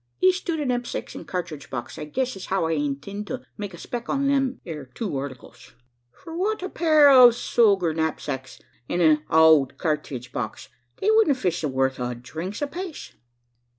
Es to the knepsacks an' cartridge box, I guess as how I inteend to make a spec on them ere two articles." "Fwhat! a pair ov soger knapsacks, an' an owld kyarthridge box! They wuldn't fitch the worth ov dhrinks apaice."